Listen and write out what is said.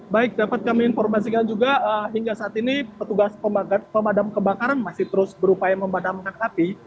baik dapat kami informasikan juga hingga saat ini petugas pemadam kebakaran masih terus berupaya memadamkan api